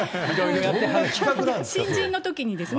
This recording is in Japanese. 新人のときにですね。